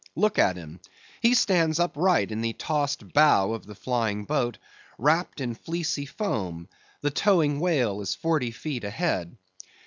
Look at him; he stands upright in the tossed bow of the flying boat; wrapt in fleecy foam, the towing whale is forty feet ahead.